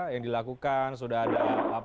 yang dilakukan sudah ada